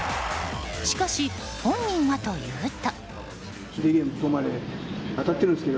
しかし、本人はというと。